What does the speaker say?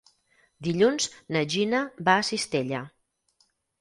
Dilluns na Gina va a Cistella.